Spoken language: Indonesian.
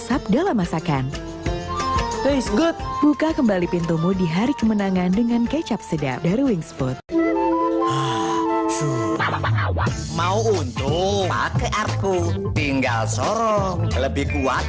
sampai jumpa kembali di video terbaru